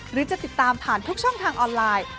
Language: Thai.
หรือจะติดตามผ่านทุกช่องทางออนไลน์